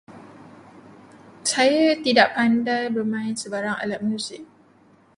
Saya tidak pandai bermain sebarang alat muzik.